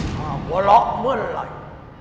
ถ้าหัวเราะเมื่อไหร่